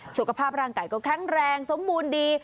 สุขภาพร่างกายก็แข็งแรงสมบูรณ์ดี